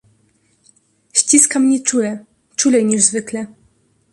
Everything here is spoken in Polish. "Ściska mnie czule, czulej niż zwykle."